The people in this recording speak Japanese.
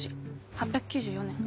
８９４年。